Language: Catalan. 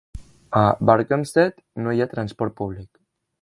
A Barkhamsted no hi ha transport públic.